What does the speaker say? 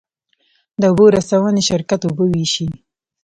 د اوبو رسونې شرکت اوبه ویشي